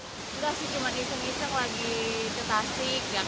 sudah sih cuma diseng diseng lagi ke tasik